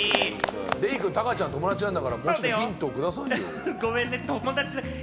デイくん、たかちゃん、友達なんだから、もうちょっとヒントくださいよ。